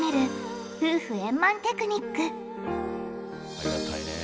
ありがたいねえ。